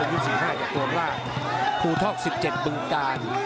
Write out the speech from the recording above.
มันยืนสี่ห้าจากตรวงลากครูทอกสิบเจ็ดบึงตาน